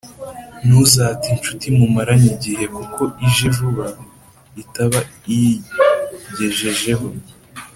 Ntuzate incuti mumaranye igihe, kuko ije vuba, itaba iyigejejeho